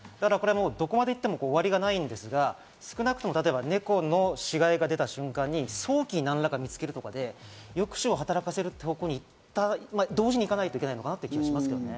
どこまで行っても終わりがないんですが、少なくとも猫の死骸が出た瞬間に早期に何らか見つけることで、抑止を働かせる方向に同時に行かなければいけないかなという気がしますけどね。